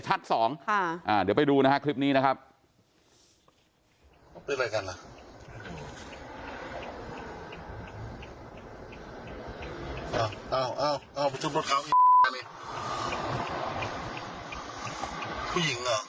โหผู้หญิง